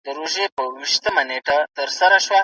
کمپيوټر انسان ځواکمن کوي.